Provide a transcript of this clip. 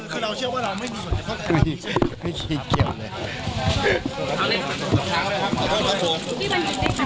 คือเราเชื่อว่าเราไม่รู้แต่เขาแทบว่า